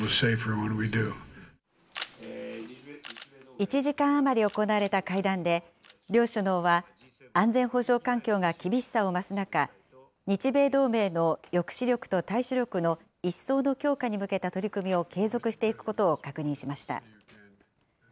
１時間余り行われた会談で、両首脳は、安全保障環境が厳しさを増す中、日米同盟の抑止力と対処力の一層の強化に向けた取り組みを継続していくことを確認しました。